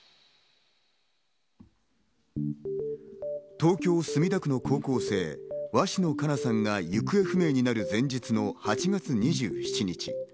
東京・墨田区の高校生・鷲野花夏さんが行方不明になる前日の８月２７日。